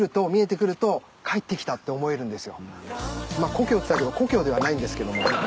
まあ故郷っつったけど故郷ではないんですけども。